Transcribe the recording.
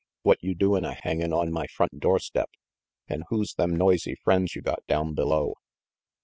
What you doin' a hangin' on my front doorstep? And who's them noisy friends you got down below?"